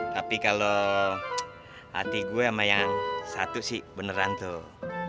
tapi kalau hati gue sama yang satu sih beneran tuh